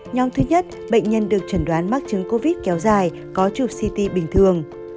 nhóm thứ nhất bệnh nhân được chẩn đoán mắc chứng covid kéo dài có chụp ct bình thường